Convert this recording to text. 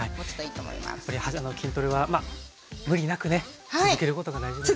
やっぱり初めての筋トレはまあ無理なくね続けることが大事ですね。